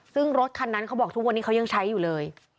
ซึ่งรถคันนั้นเขาบอกทุกวันนี้เขายังใช้อยู่เลย